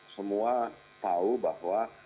semua tahu bahwa